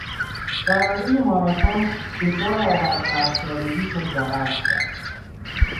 دوندهی ماراتن دچار آب از دست دادگی شد و غش کرد.